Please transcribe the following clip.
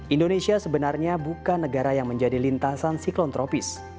indonesia sebenarnya bukan negara yang menjadi lintasan siklon tropis